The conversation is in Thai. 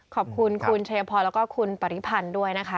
ขอบคุณคุณชัยพรแล้วก็คุณปริพันธ์ด้วยนะคะ